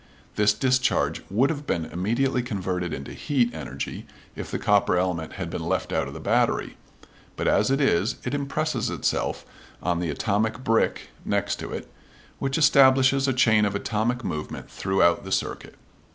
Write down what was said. This discharge would have been immediately converted into heat energy if the copper element had been left out of the battery, but as it is, it impresses itself on the atomic "brick" next to it, which establishes a chain of atomic movement throughout the circuit.